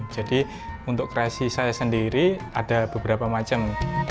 jadi untuk kreasi saya sendiri ada beberapa macam